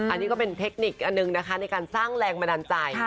อันนี้ก็เป็นเทคนิคอันหนึ่งนะคะในการสร้างแรงบันดาลใจ